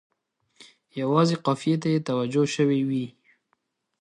یوازې قافیې ته یې توجه شوې وي.